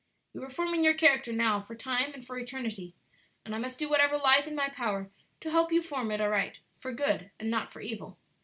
"You are forming your character now for time and for eternity, and I must do whatever lies in my power to help you to form it aright; for good and not for evil.